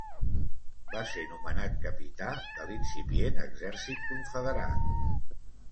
Va ser nomenat capità de l'incipient exèrcit confederat.